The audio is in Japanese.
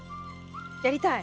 やりたい。